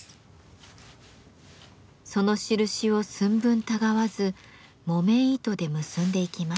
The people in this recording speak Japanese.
その印を寸分たがわず木綿糸で結んでいきます。